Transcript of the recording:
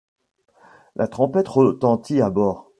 La trompette retentit à bord.